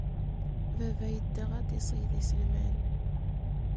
Baba yedda ad d-iṣeyyed iselman.